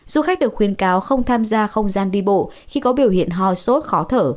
du khách được khuyên cáo không tham gia không gian đi bộ khi có biểu hiện ho sốt khó thở